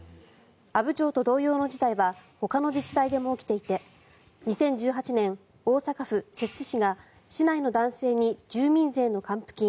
阿武町と同様の事態はほかの自治体でも起きていて２０１８年、大阪府摂津市が市内の男性に住民税の還付金